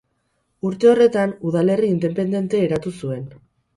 Urte horretan, udalerri independente eratu zuen.